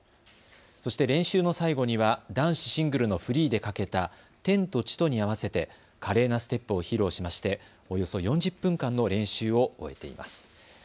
そして練習の最後には男子シングルのフリーでかけた天と地とに合わせて華麗なステップを披露しましておよそ４０分間の練習を終えています。